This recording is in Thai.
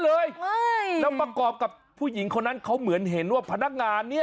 เลยแล้วประกอบกับผู้หญิงคนนั้นเขาเหมือนเห็นว่าพนักงานเนี่ย